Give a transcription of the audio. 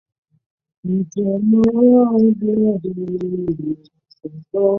这反过来可能会导致地方政府武断行为所面临的法律挑战开始增加。